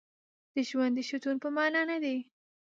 د ژوند د شتون په معنا نه دی.